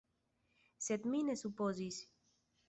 Sed mi ne supozis.